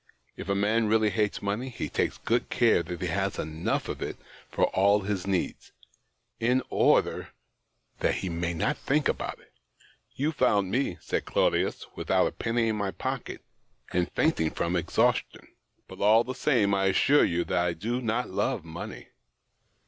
If a man really hates money he takes good care that he has enough of it for all his needs, in order that he may not think about it.'" " You found me," said Claudius, " without a penny in my pocket and fainting from exhaustion. But, all the same, I assure you that I do not love money."